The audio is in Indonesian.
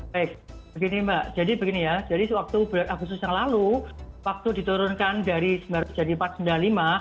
baik begini mbak jadi begini ya jadi waktu bulan agustus yang lalu waktu diturunkan dari sembilan ratus jadi empat ratus sembilan puluh lima